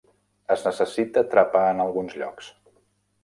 Es necessita trepar en alguns llocs.